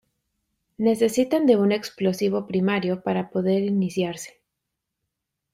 Necesitan de un explosivo primario para poder iniciarse.